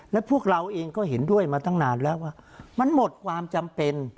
และพวกเราเองก็เห็นด้วยมาตั้งนานแล้วว่ามันหมดความจำเป็น